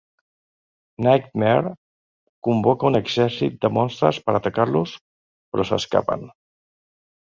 Nightmare convoca un exèrcit de monstres per atacar-los, però s'escapen.